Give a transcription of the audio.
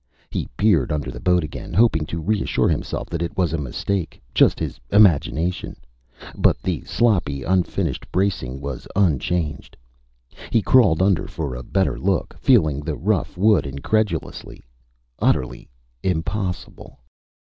He peered under the boat again, hoping to reassure himself that it was a mistake, just his imagination. But the sloppy, unfinished bracing was unchanged. He crawled under for a better look, feeling the rough wood incredulously. Utterly impossible!